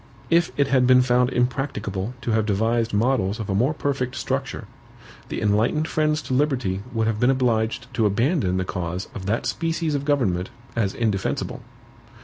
If it had been found impracticable to have devised models of a more perfect structure, the enlightened friends to liberty would have been obliged to abandon the cause of that species of government as indefensible.